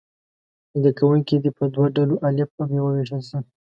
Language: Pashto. زده کوونکي دې په دوه ډلو الف او ب وویشل شي.